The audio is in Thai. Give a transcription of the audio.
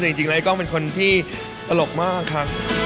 แต่จริงแล้วก็เป็นคนที่ตลกมากค่ะ